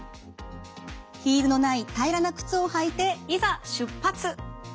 ヒールのない平らな靴を履いていざ出発。